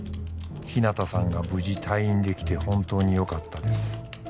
「日向さんが無事退院できて本当によかったです」